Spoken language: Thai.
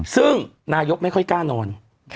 ซึ่งนายกไม่ค่อยกล้านอน